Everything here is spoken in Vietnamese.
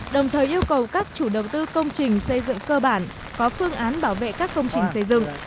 đồng thời yêu cầu các chủ đầu tư công trình xây dựng cơ bản có phương án bảo vệ các công trình xây dựng